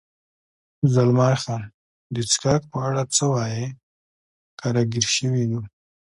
زلمی خان: د څښاک په اړه څه وایې؟ که را ګیر شوي یو.